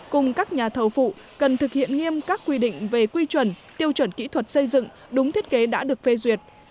cùng các nhà thầu phụ cần thực hiện nghiêm các quy định về quy chuẩn tiêu chuẩn kỹ thuật xây dựng đúng thiết kế đã được phê duyệt